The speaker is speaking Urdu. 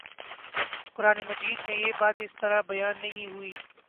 قرآنِ مجید میں یہ بات اس طرح بیان نہیں ہوئی